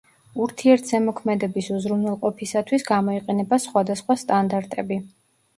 ურთიერთზემოქმედების უზრუნველყოფისათვის გამოიყენება სხვადასხვა სტანდარტები.